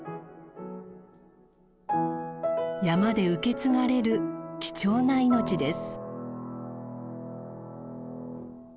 山で受け継がれる貴重な命です。